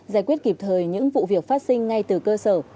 giải quyết kịp thời những vụ việc phát sinh ngay từ cơ sở